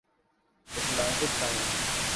Atlantic time